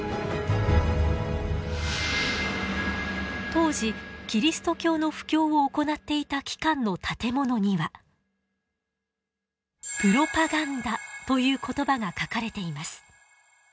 当時キリスト教の布教を行っていた機関の建物には「プロパガンダ」という言葉が書かれています。